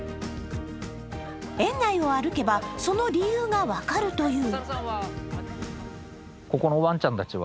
園内を歩けば、その理由が分かるという。